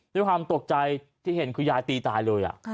ด้วยความตกใจที่เห็นคือยายตีตายเลย